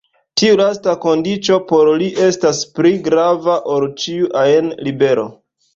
Tiu lasta kondiĉo por li estas pli grava ol ĉiu ajn libero.